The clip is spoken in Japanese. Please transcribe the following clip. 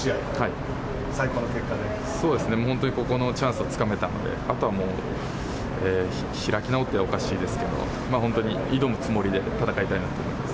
そうですね、本当にここのチャンスをつかめたので、あとはもう開き直ってはおかしいですけど、本当に挑むつもりで戦いたいなと思います。